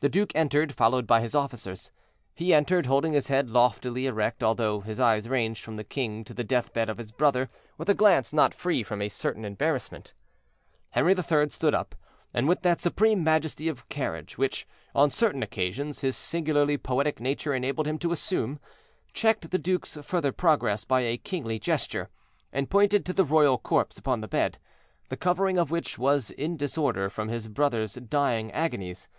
The duke entered, followed by his officers. He entered, holding his head loftily erect, although his eyes ranged from the king to the death bed of his brother with a glance not free from a certain embarrassment. Henri III. stood up, and with that supreme majesty of carriage which, on certain occasions, his singularly poetic nature enabled him to assume, checked the duke's further progress by a kingly gesture, and pointed to the royal corpse upon the bed, the covering of which was in disorder from his brother's dying agonies.